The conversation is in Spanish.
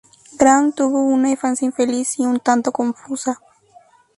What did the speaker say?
Grant tuvo una infancia infeliz y un tanto confusa.